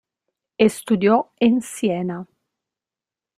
Estudió en Siena.